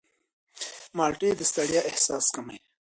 مالټې د ستړیا احساس کموي.